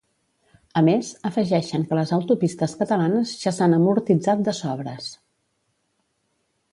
A més, afegeixen que les autopistes catalanes ja s’han amortitzat de sobres.